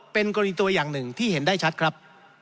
เป็นกรณีตัวอย่างหนึ่งที่เห็นได้ชัดครับ